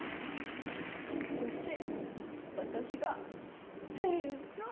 そして私がせの！